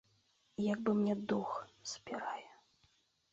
Як бы мне дух спірае.